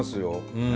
うん。